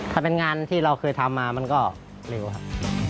ถ้าเป็นงานที่เราเคยทำมามันก็เร็วครับ